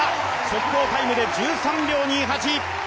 速報タイムで１３秒２８。